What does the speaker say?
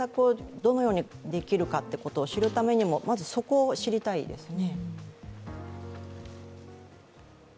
どのようにできるのか知るためにも、まずそこを知りたいですね。